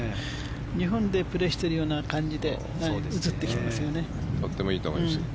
日本でプレーしているような感じで映ってきていますよね。